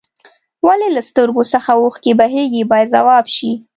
ولې له سترګو څخه اوښکې بهیږي باید ځواب شي.